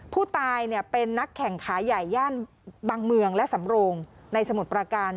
ผู้ตายเป็นนักแข่งขาใหญ่ย่านบางเมืองและสำโรงในสมุทรประการ